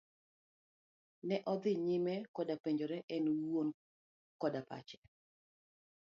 Ne odhi nyime koda penjore en owuon koda pache.